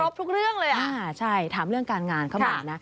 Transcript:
ถามคือครบทุกเรื่องเลย